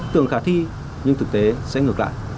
tưởng khả thi nhưng thực tế sẽ ngược lại